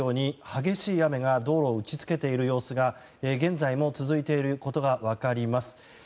激しい雨が道路を打ち付けている様子が現在も続いていることが分かります。